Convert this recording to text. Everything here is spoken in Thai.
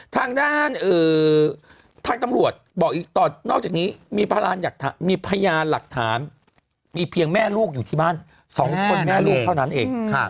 ทางด้านทางตำรวจบอกอีกตอนนอกจากนี้มีพยานหลักฐานมีเพียงแม่ลูกอยู่ที่บ้าน๒คนแม่ลูกเท่านั้นเอง